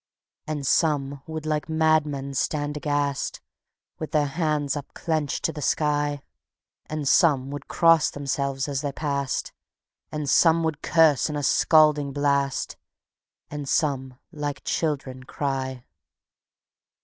And some would like madmen stand aghast, With their hands upclenched to the sky; And some would cross themselves as they passed, And some would curse in a scalding blast, And some like children cry.